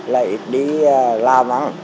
là ít đi làm ăn